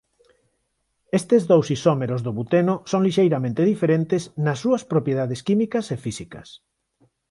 Estes dous isómeros do buteno son lixeiramente diferentes nas súas propiedades químicas e físicas.